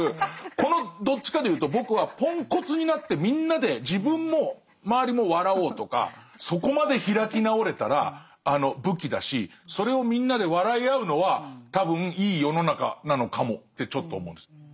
このどっちかでいうと僕はポンコツになってみんなで自分も周りも笑おうとかそこまで開き直れたら武器だしそれをみんなで笑い合うのは多分いい世の中なのかもってちょっと思うんです。